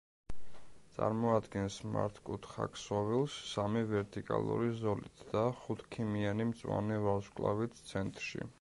წარმოადგენს მართკუთხა ქსოვილს სამი ვერტიკალური ზოლით და ხუთქიმიანი მწვანე ვარსკვლავით ცენტრში.